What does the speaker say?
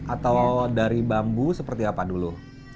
atau dari bambu seperti apa dulu